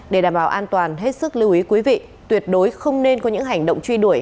để đảm bảo an toàn hết sức lưu ý quý vị tuyệt đối không nên có những hành động truy đuổi